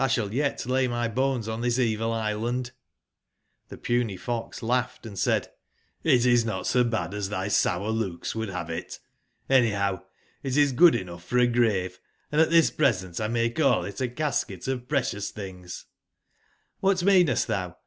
X sballyet lay my bones in tbis evil island/'jS^tlbe puny fox laugbed & said: ''It is not so bad as tby sour looks would bave it; anybow it is good enougb for a grave, and at tbis present 1 may call it a casket of precious tbings/' *'^bat meanest tbou?"